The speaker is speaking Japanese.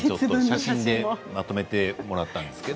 写真にまとめてもらいました。